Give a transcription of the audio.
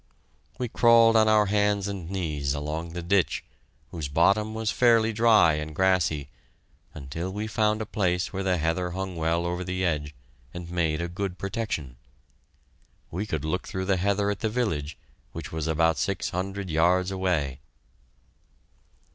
We crawled on our hands and knees along the ditch, whose bottom was fairly dry and grassy, until we found a place where the heather hung well over the edge and made a good protection. We could look through the heather at the village, which was about six hundred yards away!